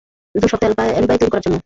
দুটো শক্ত অ্যালিবাই তৈরী করার জন্য।